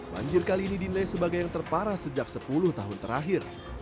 banjir kali ini dinilai sebagai yang terparah sejak sepuluh tahun terakhir